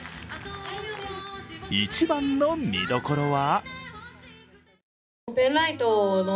一番の見どころは？